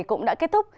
cũng đã kết thúc